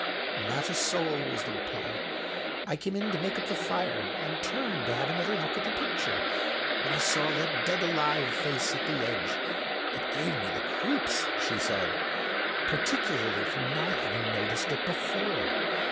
" Not a soul," was the reply, " I came in to THE MAN WITH THE EOLLEK. make up the fire, and turned to have another look at the picture, when I saw that dead alive face at the edge. It gave me the creeps," she said, "particularly from not having noticed it before.